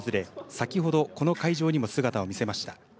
先ほどこの会場にも姿を見せました。